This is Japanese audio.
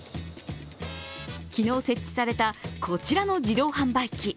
昨日、設置されたこちらの自動販売機。